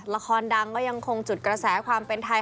ละครดังก็ยังคงจุดกระแสความเป็นไทย